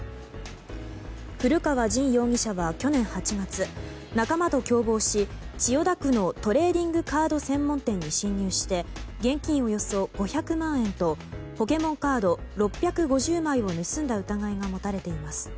古川刃容疑者は去年８月仲間と共謀し千代田区のトレーディングカード専門店に侵入して現金およそ５００万円とポケモンカード６５０枚を盗んだ疑いが持たれています。